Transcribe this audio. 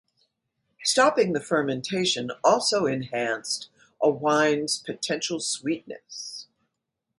Stopping the fermentation also enhanced a wine's potential sweetness.